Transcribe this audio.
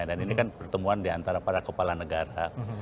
dan ini kan pertemuan di antara para kepala negara